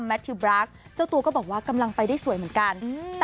ทิวบราคเจ้าตัวก็บอกว่ากำลังไปได้สวยเหมือนกัน